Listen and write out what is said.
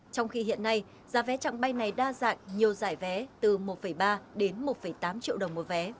trong khi hiện nay giá vé trạng bay này đa dạng nhiều giải vé từ một ba đến hai năm triệu đồng